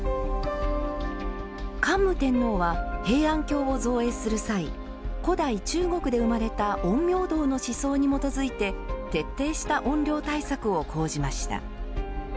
桓武天皇は、平安京を造営する際古代、中国で生まれた陰陽道の思想に基づいて徹底した怨霊対策を講じました。